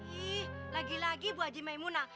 ih lagi lagi bu haji maimunah